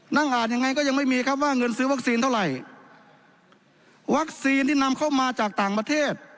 นั่งอ่านยังไงก็ยังไม่มีครับว่าเงินซื้อวัคซีนเท่าไหร่วัคซีนที่นำเข้ามาจากต่างประเทศ